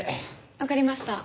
わかりました。